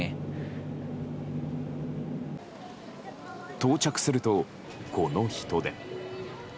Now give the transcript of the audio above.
到着すると、この人出。